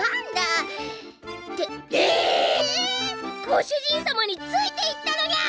ご主人様についていったのニャ！